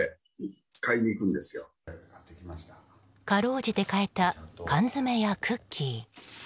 かろうじて買えた缶詰やクッキー。